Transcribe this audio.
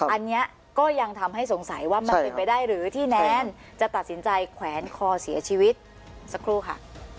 อันนี้ก็ยังทำให้สงสัยว่ามันเป็นไปได้หรือที่แนนจะตัดสินใจแขวนคอเสียชีวิตสักครู่ค่ะ